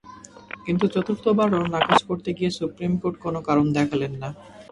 কিন্তু চতুর্থবারও নাকচ করতে গিয়ে সুপ্রিম কোর্ট কোনো কারণ দেখালেন না।